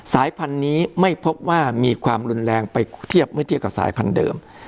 สายพันธุ์นี้ไม่พบว่ามีความรุนแรงไปเทียบไม่เทียบกับสายพันธุ์เดิม